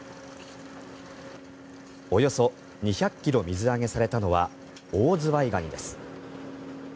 およそ２００ｋｇ水揚げされたのはオオズワイガニです。